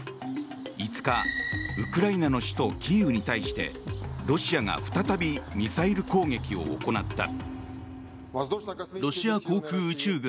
５日、ウクライナの首都キーウに対してロシアが再びミサイル攻撃を行った。